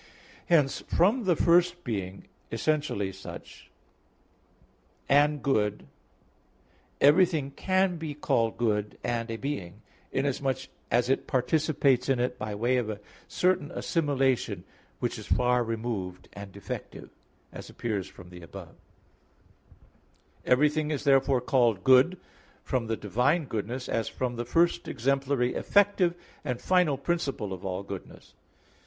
Hence from the first being, essentially such, and good, everything can be called good and a being, inasmuch as it participates in it by way of a certain assimilation which is far removed and defective; as appears from the above (Q. 4, A. 3). Everything is therefore called good from the divine goodness, as from the first exemplary effective and final principle of all goodness.